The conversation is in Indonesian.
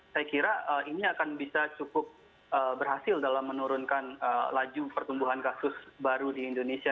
saya kira ini akan bisa cukup berhasil dalam menurunkan laju pertumbuhan kasus baru di indonesia